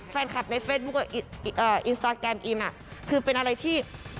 แฟนคลับในเฟซบุ๊คกับอินสตาแกรมอิมคือเป็นอะไรที่